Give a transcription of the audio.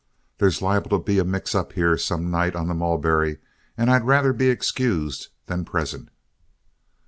There's liable to be a mix up here some night on the Mulberry, and I'd rather be excused than present."